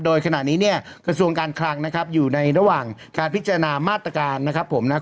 โดยขณะนี้เนี่ยกระทรวงการคลังนะครับอยู่ในระหว่างการพิจารณามาตรการนะครับผมนะครับ